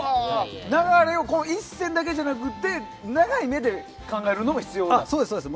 流れを１戦だけじゃなくて長い目で考えるのも必要だと。